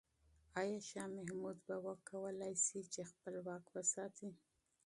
آیا شاه محمود به وکولای شي چې خپل واک وساتي؟